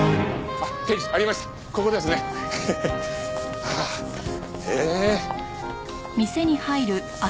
あっへえ。